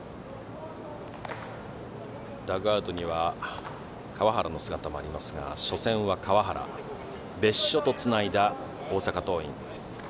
ダグアウトには川原の姿もありますが初戦は川原別所とつないだ大阪桐蔭。